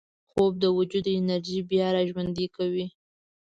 خوب د وجود انرژي بیا راژوندي کوي